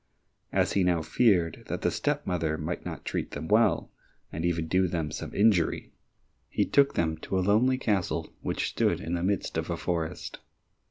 As he now feared that the step mother might not treat them well, and even do them some injury, he took them to a lonely castle which stood in the midst of a forest.